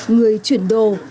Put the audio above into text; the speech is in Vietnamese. người chuyển đồ